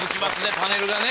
パネルがね。